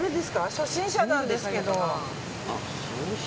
初心者なんですけど。